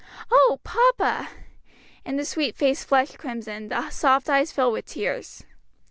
"Oh, papa!" And the sweet face flushed crimson, the soft eyes filled with tears.